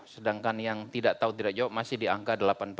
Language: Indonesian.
sedangkan yang tidak tahu tidak jawab masih di angka delapan belas